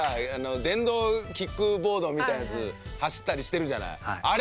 電動キックボードみたいなやつ走ったりしてるじゃない。